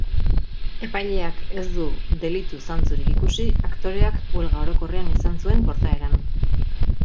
Epaileak ez du delitu zantzurik ikusi aktoreak huelga orokorrean izan zuen portaeran.